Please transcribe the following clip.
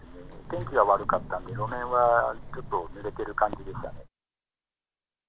天気が悪かったんで路面はちょっとぬれてる感じでしたね。